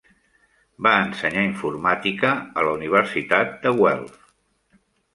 Va ensenyar informàtica a la Universitat de Guelph.